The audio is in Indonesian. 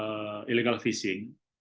untuk nilai nilai yang harus illegal fishing